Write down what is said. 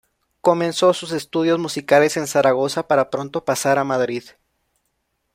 Comenzó sus estudios musicales en Zaragoza para pronto pasar a Madrid.